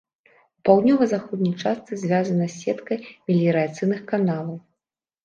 У паўднёва-заходняй частцы звязана з сеткай меліярацыйных каналаў.